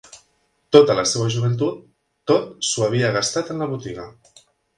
Tota la seva joventut, tot s'ho havia gastat en la botiga